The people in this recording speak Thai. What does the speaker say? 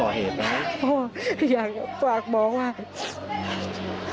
คือตอนที่แม่ไปโรงพักที่นั่งอยู่ที่สพ